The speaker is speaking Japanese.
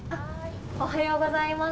おはようございます。